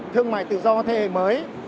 thương mại tự do thế hệ mới